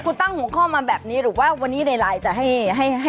คุณตั้งหัวข้อมาแบบนี้หรือว่าวันนี้ในไลน์จะให้